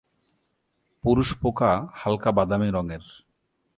পুরুষ পোকা হালকা বাদামি রঙের।